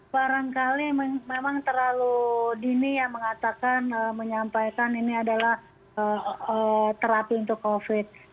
barangkali memang terlalu dini yang mengatakan menyampaikan ini adalah terapi untuk covid